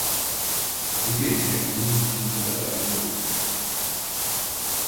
Bu gece onun için ne kadar acı olmuştu.